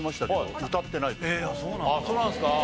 あっそうなんですか？